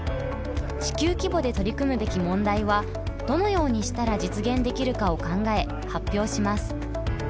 地球規模で取り組むべき問題はどのようにしたら実現できるかを考え発表します。